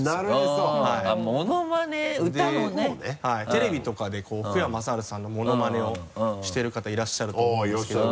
テレビとかで福山雅治さんのものまねをしてる方いらっしゃると思うんですけど。